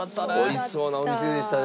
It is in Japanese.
美味しそうなお店でしたね。